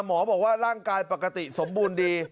หมอบอกว่าร่างกายปกติสมบูรณ์ดี